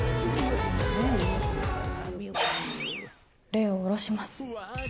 霊を降ろします。